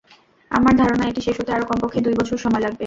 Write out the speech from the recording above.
আমার ধারণা, এটি শেষ হতে আরও কমপক্ষে দুই বছর সময় লাগবে।